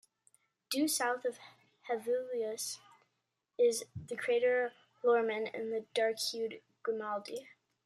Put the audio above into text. Due south of Hevelius is the crater Lohrmann and the dark-hued Grimaldi.